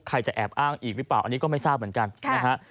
ใครจะแอบอ้างอีกหรือเปล่าอันนี้ก็ไม่ทราบเหมือนกันนะฮะ